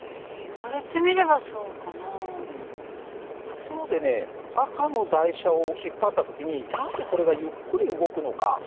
ところでね赤の台車を引っ張った時になぜこれがゆっくり動くのか。